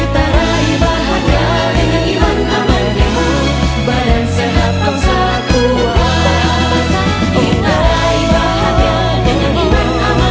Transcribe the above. terima kasih semuanya